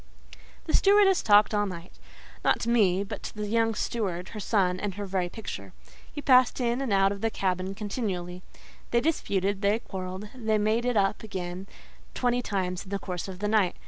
The stewardess talked all night; not to me but to the young steward, her son and her very picture. He passed in and out of the cabin continually: they disputed, they quarrelled, they made it up again twenty times in the course of the night.